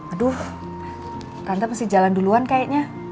aduh tante masih jalan duluan kayaknya